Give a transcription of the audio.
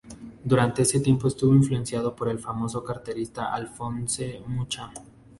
Durante este tiempo estuvo influenciado por el famoso cartelista Alphonse Mucha.